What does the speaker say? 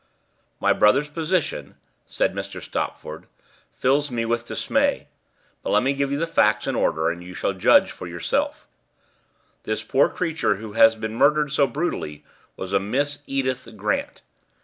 "My brother's position," said Mr. Stopford, "fills me with dismay but let me give you the facts in order, and you shall judge for yourself. This poor creature who has been murdered so brutally was a Miss Edith Grant.